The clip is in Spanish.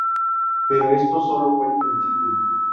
Pero esto solo fue el principio.